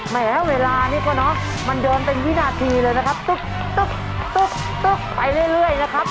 แหมเวลานี้ก็เนาะมันยอมเป็นวินาทีเลยนะครับตุ๊กตุ๊กตุ๊กไปเรื่อยนะครับ